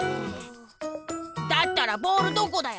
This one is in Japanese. だったらボールどこだよ？